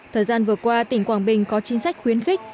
thời gian vừa qua tỉnh quảng bình có chính sách khuyến khích